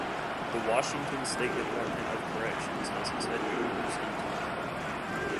The Washington State Department of Corrections has its headquarters in Tumwater.